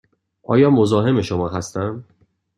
آیا مزاحم شما هستم؟